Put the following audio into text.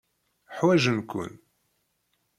Ḥwajen-ken.